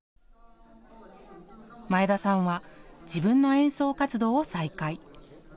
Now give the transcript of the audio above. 前田さんは自分の演奏活動を再開。